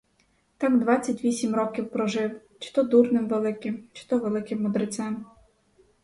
Так двадцять вісім років прожив, чи то дурнем великим, чи великим мудрецем.